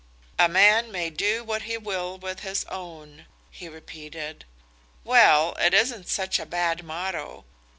"'A man may do what he will with his own,'" he repeated. "Well, it isn't such a bad motto.